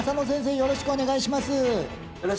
よろしくお願いします